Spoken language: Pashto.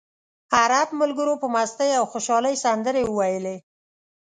عرب ملګرو په مستۍ او خوشالۍ سندرې وویلې.